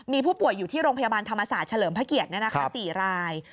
มีผู้ป่วยอยู่ที่โรงพยาบาลธรรมศาสตร์เฉลิมพระเกียรติ๔ราย